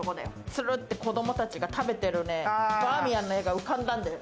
つるって子供たちが食べてる、バーミヤンの画が浮かんだんだよ。